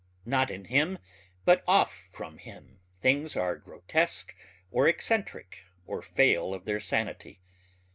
Not in him but off from him things are grotesque or eccentric or fail of their sanity.